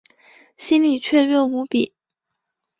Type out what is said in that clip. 心里雀跃无比